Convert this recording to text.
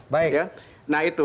kemudian ada pertanyaan